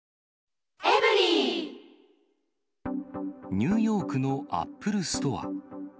ニューヨークのアップルストア。